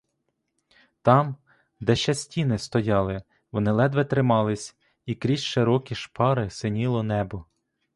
Там, де ще стіни стояли, вони ледве тримались і крізь широкі шпари синіло небо.